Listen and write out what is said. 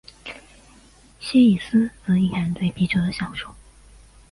西里斯则隐含对啤酒的享受。